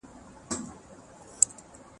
نفسي خواهشات نه پوره کېږي.